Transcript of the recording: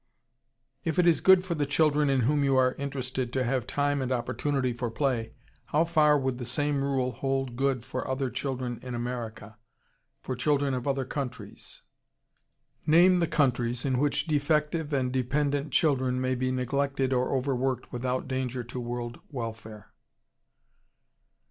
If it is good for the children in whom you are interested to have time and opportunity for play, how far would the same rule hold good for other children in America? For children of other countries? Name the countries in which defective and dependent children may be neglected or overworked without danger to world welfare.